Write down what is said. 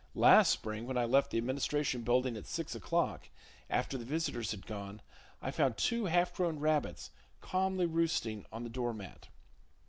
Last spring when I left the Administration Building at six o'clock, after the visitors had gone, I found two half grown rabbits calmly roosting on the door mat.